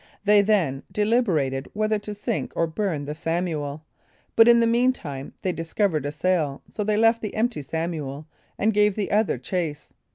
They then deliberated whether to sink or burn the Samuel, but in the mean time they discovered a sail, so they left the empty Samuel, and gave the other chase.